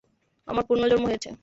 আমার পুনর্জন্ম হয়েছে!